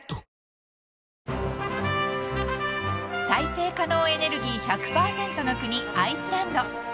［再生可能エネルギー１００％の国アイスランド］